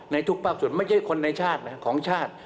ทุกภาคส่วนไม่ใช่คนในชาตินะของชาติ